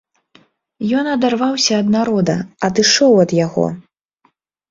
Ён адарваўся ад народа, адышоў ад яго.